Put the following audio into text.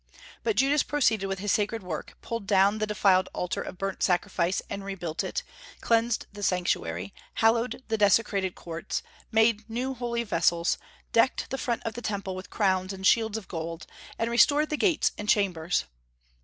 But Judas proceeded with his sacred work, pulled down the defiled altar of burnt sacrifice and rebuilt it, cleansed the Sanctuary, hallowed the desecrated courts, made new holy vessels, decked the front of the Temple with crowns and shields of gold, and restored the gates and chambers.